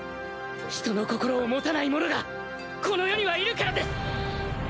人の心を持たない者がこの世にはいるからです